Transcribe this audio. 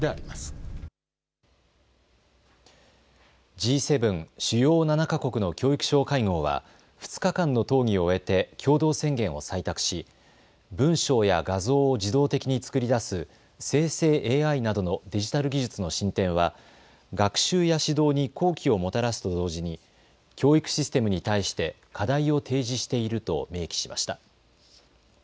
Ｇ７・主要７か国の教育相会合は２日間の討議を終えて共同宣言を採択し、文章や画像を自動的に作り出す生成ＡＩなどのデジタル技術の進展は学習や指導に好機をもたらすと同時に教育システムに対して課題を提示していると明記しました。